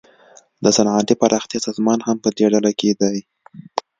د صنعتي پراختیا سازمان هم پدې ډله کې دی